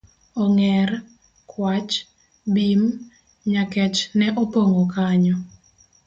Ong'er, kwach, Bim, nyakech ne opong'o kanyo